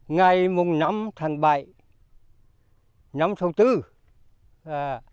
ngày năm tháng bảy năm tháng bốn